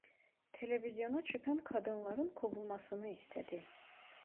Televizyona çıkan kadınların kovulmasını istedi.